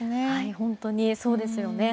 本当にそうですよね。